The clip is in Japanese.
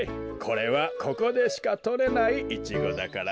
これはここでしかとれないイチゴだからね。